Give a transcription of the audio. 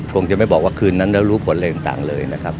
คงจะไม่บอกว่าคืนนั้นแล้วรู้ผลอะไรต่างเลยนะครับ